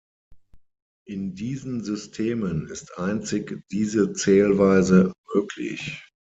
In diesen Systemen ist einzig diese Zählweise möglich.